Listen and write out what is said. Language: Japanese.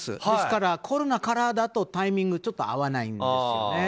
ですからコロナからだとタイミングが合わないんです。